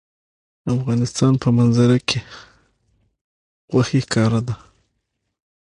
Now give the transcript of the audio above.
د افغانستان په منظره کې غوښې ښکاره ده.